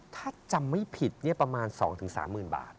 ถ้าจำไม่ผิดประมาณ๒๓๐๐๐บาท